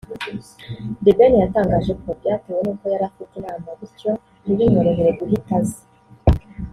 The Ben yatangaje ko byatewe n'uko yari afite inama bityo ntibimworohere guhita aza